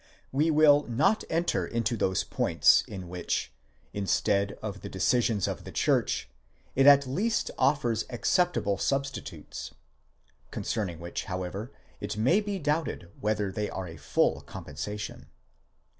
We will not enter into those points in which, instead of the decisions of the church, it at leasts offers acceptable substitutes (concerning which, however, it may be doubted whether they are a full compensation).